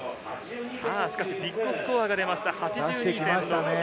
ビッグスコアが出ました。